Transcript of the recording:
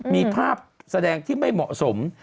มีภาพแสดงที่ไม่เหมาะสม